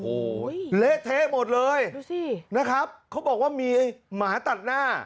โอ้โหเละเทะหมดเลยดูสินะครับเขาบอกว่ามีไอ้หมาตัดหน้า